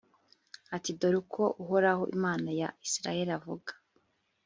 ati dore uko uhoraho, imana ya israheli avuga